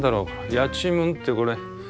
「やちむん」ってこれ。